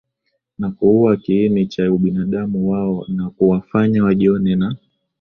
na kuua kiini cha ubinadamu wao na kuwafanya wajione na